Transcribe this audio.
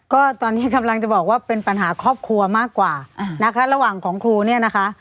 ก็ตอนนี้กำลังจะบอกว่าเป็นปัญหาครอบครัวมากกว่านะคะระหว่างของครูเนี่ยนะคะ